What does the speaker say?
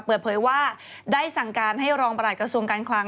เปิดเผยว่าได้สั่งการให้รองประหลัดกระทรวงการคลัง